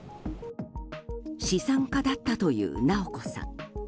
資産家だったという直子さん。